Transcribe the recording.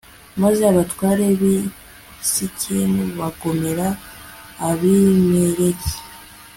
maze abatware b'i sikemu bagomera abimeleki